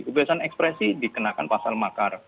kebebasan ekspresi dikenakan pasal makar